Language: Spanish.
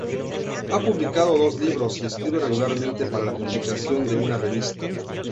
Ha publicado dos libros, y escribe regularmente para la publicación de una revista.